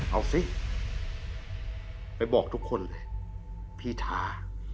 เอาสิไปบอกทุกคนเลยพี่ท้า